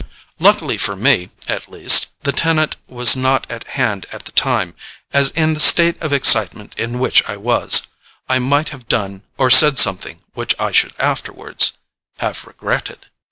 Luckily for me, at least, the tenant was not at hand at the time, as in the state of excitement in which I was, I might have done or said something which I should afterwards have regretted.